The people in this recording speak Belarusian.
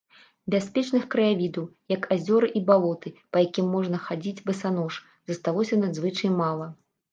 Бяспечных краявідаў, як азёры і балоты, па якім можна хадзіць басанож, засталося надзвычай мала.